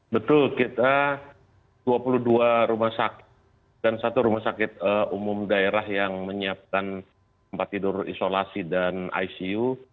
betul kita dua puluh dua rumah sakit dan satu rumah sakit umum daerah yang menyiapkan tempat tidur isolasi dan icu